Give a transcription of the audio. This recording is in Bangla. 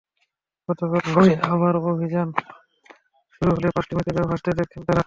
গতকাল ভোরে আবার অভিযান শুরু হলে পাঁচটি মৃতদেহ ভাসতে দেখেন তাঁরা।